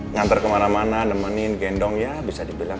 ngantar kemana mana nemenin gendong ya bisa dibilang